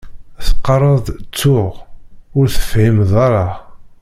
Teqqareḍ-d tuɣ ur tefhimeḍ ara.